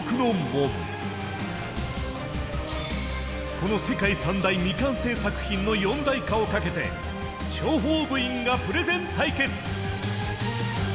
この世界三大未完成作品の四大化をかけて諜報部員がプレゼン対決。